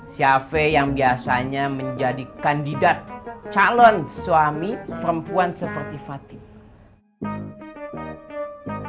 siapa yang biasanya menjadi kandidat calon suami perempuan seperti fatih